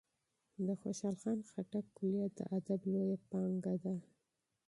د خوشال خان خټک کلیات د ادب لویه پانګه ده.